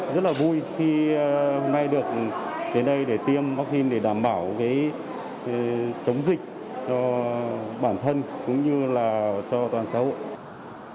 rất là vui khi hôm nay được đến đây để tiêm vaccine để đảm bảo chống dịch cho bản thân cũng như là cho toàn xã hội